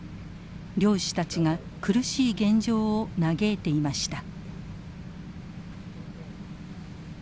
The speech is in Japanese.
漁師たちが苦しい現状を嘆いていました。